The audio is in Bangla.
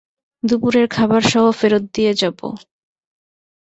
দুপুরের খাবারসহ ফেরত দিয়ে যাব।